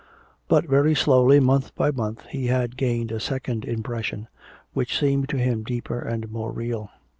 But very slowly, month by month, he had gained a second impression which seemed to him deeper and more real.